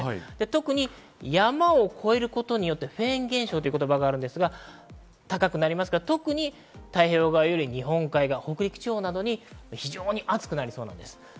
特に山を越えることによってフェーン現象という言葉がありますが、高くなりますので、特に太平洋側より日本海側、北陸地方など非常に暑くなりそうです。